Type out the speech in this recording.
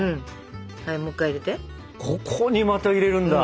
ここにまた入れるんだ。